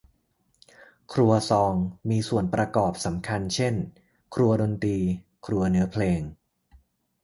ครัวซองมีส่วนประกอบสำคัญเช่น ครัวดนตรี ครัวเนื้อเพลง